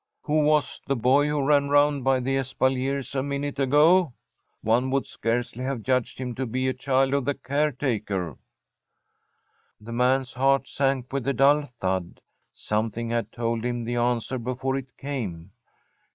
'Who was the boy who ran round by the espaliers a minute ago? One would scarcely have judged him to be a child of the caretaker.' The man's heart sank with a dull thud: something had told him the answer before it came.